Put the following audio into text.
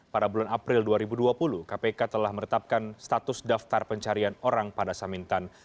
pada bulan april dua ribu dua puluh kpk telah meretapkan status daftar pencarian orang pada samintan